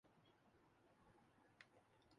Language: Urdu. انہوں نے ہمیشہ ملکی مفاد کو ذاتی مفاد پر ترجیح دی